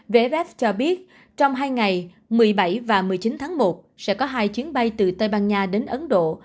vff cho biết trong hai ngày một mươi bảy và một mươi chín tháng một sẽ có hai chuyến bay từ tây ban nha đến ấn độ